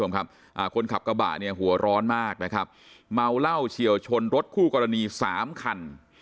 คนขับกระบะหัวร้อนมากเมาเหล้าเฉียวชนรถคู่กรณี๓คัน